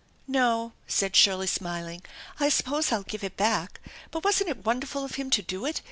"" No," said Shirley, smiling ;" I suppose I'll give it beck, /but wasn't it wonderful of him to do it?